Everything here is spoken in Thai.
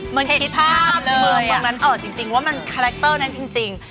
เห็นภาพเมืองบ้างนั้นเออจริงว่ามันคาแรคเตอร์นั้นจริง